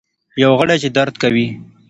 یو غړی چي درد کوي.